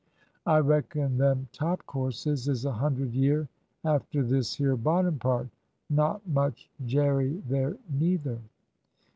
"I reckon them top courses is a hundred year after this here bottom part. Not much jerry there neither."